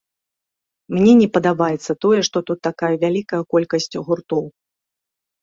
Мне не падабаецца тое, што тут такая вялікая колькасць гуртоў.